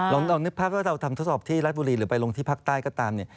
ลองนึกภาพว่าเราทำทดสอบที่รัฐบุรีหรือไปลงที่ภาคใต้ก็ตาม